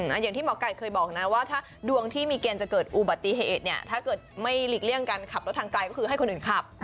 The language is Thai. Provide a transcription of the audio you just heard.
อย่างที่หมอไก่เคยบอกนะว่าถ้าดวงที่มีเกณฑ์จะเกิดอุบัติเหตุเนี่ยถ้าเกิดไม่หลีกเลี่ยงการขับรถทางไกลก็คือให้คนอื่นขับ